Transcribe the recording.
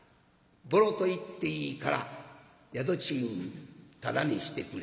ぼろと言っていいから宿賃タダにしてくれ」。